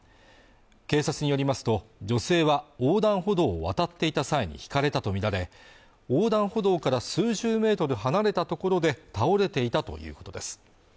警察によりますと女性は横断歩道を渡っていた際にひかれたとみられ横断歩道から数十メートル離れたところで倒れていたということです